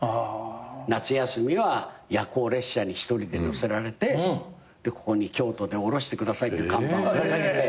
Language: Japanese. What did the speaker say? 夏休みは夜行列車に一人で乗せられてここに「京都で降ろしてください」っていう看板を下げて。